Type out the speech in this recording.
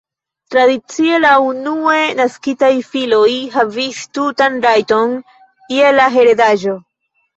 Tradicie la unue naskitaj filoj havis tutan rajton je la heredaĵo.